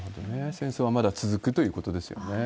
戦争はまだ続くということですよね。